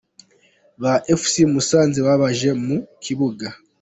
ba Fc Musanze babanje mu kibuga .